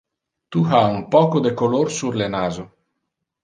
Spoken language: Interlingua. Tu ha un poco de color sur le naso.